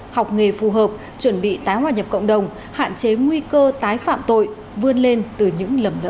học nghề phù hợp chuẩn bị tái hòa nhập cộng đồng hạn chế nguy cơ tái phạm tội vươn lên từ những lầm lỡ